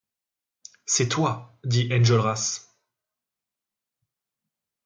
C'est toi, dit Enjolras.